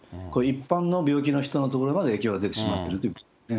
これ、一般の病気の人のところまで影響が出てしまっているという。